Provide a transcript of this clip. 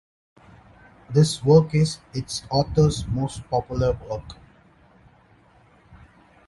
This work is its author´s most popular work.